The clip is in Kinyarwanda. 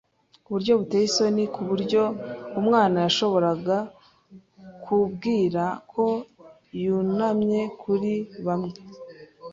uburyo buteye isoni, kuburyo umwana yashoboraga kubwira ko yunamye kuri bamwe